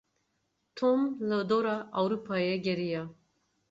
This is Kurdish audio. Tom li dora Ewropayê geriya.